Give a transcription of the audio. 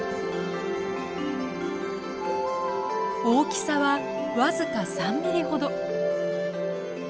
大きさは僅か３ミリほど。